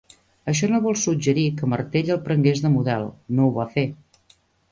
Això no vol suggerir que Martell el prengués de model, no ho va fer.